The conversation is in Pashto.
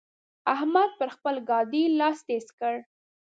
احمد پر خپل ګاډي لاس تېر کړ.